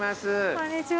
こんにちは。